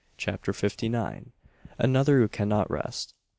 CHAPTER FIFTY NINE. ANOTHER WHO CANNOT REST.